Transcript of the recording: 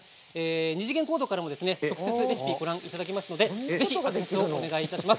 ２次元コードからも直接レシピをご覧いただけますのでぜひアクセスお願いします。